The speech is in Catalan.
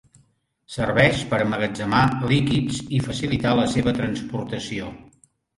Serveix per emmagatzemar líquids i facilitar la seva transportació.